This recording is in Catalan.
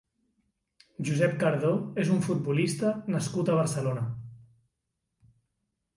Josep Cardó és un futbolista nascut a Barcelona.